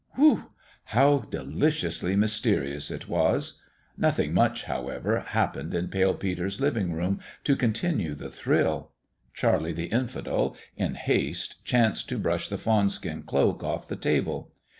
Whew ! How deliciously mysterious it was 1 Nothing much, however, happened in Pale Peter's living room to continue the thrill. Charlie the Infidel, in haste, chanced to brush the fawn skin cloak off the table.